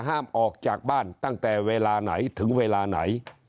ห้ามออกจากบ้านตั้งแต่เวลาไหนถึงเวลาไหน